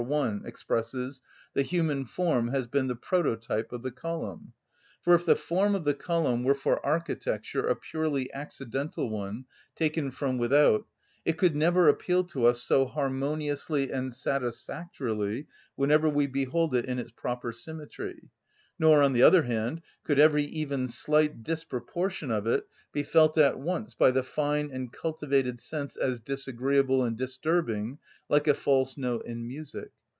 1, expresses) the human form has been the prototype of the column. For if the form of the column were for architecture a purely accidental one, taken from without, it could never appeal to us so harmoniously and satisfactorily whenever we behold it in its proper symmetry; nor, on the other hand, could every even slight disproportion of it be felt at once by the fine and cultivated sense as disagreeable and disturbing, like a false note in music.